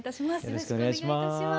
よろしくお願いします。